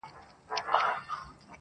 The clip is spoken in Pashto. د سواهدو په لټه کي دي او هر څه ګوري,